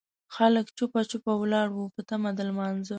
خلک جوپه جوپه ولاړ وو په تمه د لمانځه.